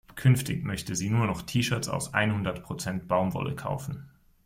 Künftig möchte sie nur noch T-Shirts aus einhundert Prozent Baumwolle kaufen.